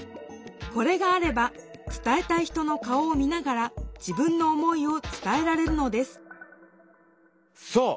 これがあれば伝えたい人の顔を見ながら自分の思いを伝えられるのですそう！